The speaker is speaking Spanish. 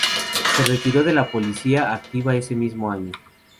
Se retiró de la política activa ese mismo año.